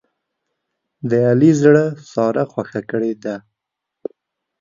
د علي زړه ساره خوښه کړې ده.